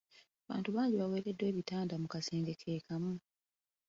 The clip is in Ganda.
Abantu bangi baaweereddwa ebitanda mu kasenge ke kamu.